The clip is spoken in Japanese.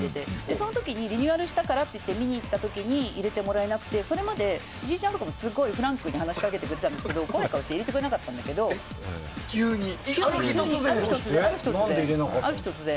その時にリニューアルしたからっていう時に入れてもらえなくてそれまで石井ちゃんもフランクに話しかけてくれたんですけど怖い顔して入れてくれなかったんですけどある日突然。